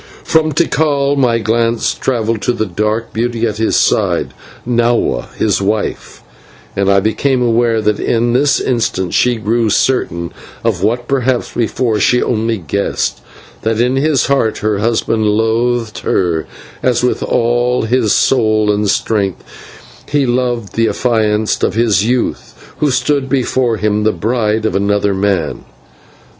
From Tikal my glance travelled to the dark beauty at his side, Nahua, his wife, and became aware that in this instant she grew certain of what perhaps before she only guessed, that in his heart her husband loathed her, as with all his soul and strength he loved the affianced of his youth who stood before him the bride of another man.